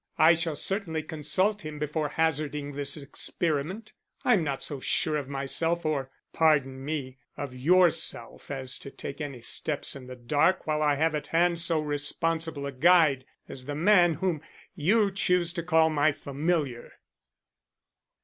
I shall certainly consult him before hazarding this experiment. I am not so sure of myself or pardon me of yourself as to take any steps in the dark while I have at hand so responsible a guide as the man whom you choose to call my familiar."